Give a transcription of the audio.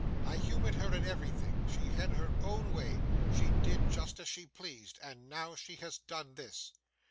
I humoured her in everything, she had her own way, she did just as she pleased, and now she has done this.